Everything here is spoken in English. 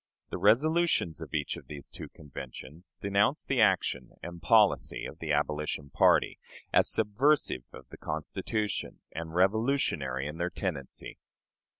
The resolutions of each of these two conventions denounced the action and policy of the Abolition party, as subversive of the Constitution, and revolutionary in their tendency.